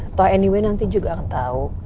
atau anyway nanti juga akan tahu